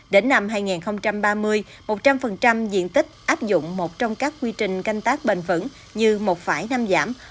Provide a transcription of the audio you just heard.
đến năm hai nghìn ba mươi một trăm linh diện tích áp dụng một trong các quy trình canh tác bền vững như một phải năm giảm